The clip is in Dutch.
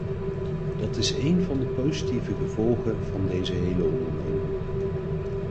Dat is een van de positieve gevolgen van deze hele onderneming.